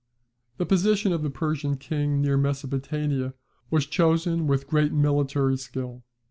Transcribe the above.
The position of the Persian king near Mesopotamia was chosen with great military skill.